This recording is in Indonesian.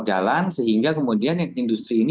jalan sehingga kemudian industri ini